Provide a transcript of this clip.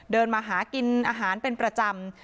เดินมาหากินอาหารเป็นประจำ